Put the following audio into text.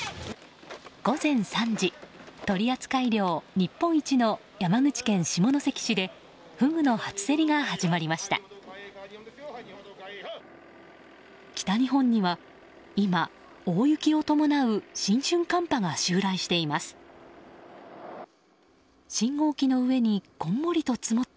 午前３時、取り扱い量日本一の山口県下関市でフグの初競りが始まりました。